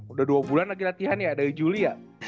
udah dua bulan lagi latihan ya dari juli ya